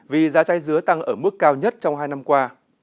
vì giá chai dứa tăng ở mức cao nhất trong hai năm qua